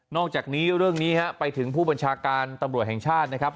อกจากนี้เรื่องนี้ฮะไปถึงผู้บัญชาการตำรวจแห่งชาตินะครับ